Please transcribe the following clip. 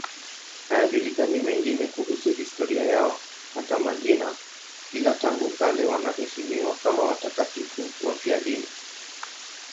Hayajulikani mengine kuhusu historia yao, hata majina, ila tangu kale wanaheshimiwa kama watakatifu wafiadini.